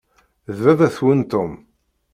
D baba-twen Tom.